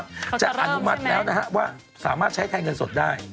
เขาจะเริ่มใช่ไหมฮะจะอนุมัติแล้วนะฮะว่าสามารถใช้แทนเงินสดได้